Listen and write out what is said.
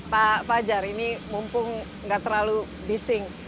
pak fajar ini mumpung nggak terlalu bising